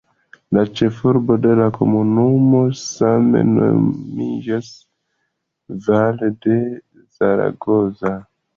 La ĉefurbo de la komunumo same nomiĝas "Valle de Zaragoza".